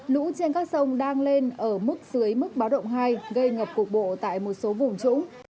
lũ trên các sông đang lên ở mức dưới mức báo động hai gây ngập cục bộ tại một số vùng trũng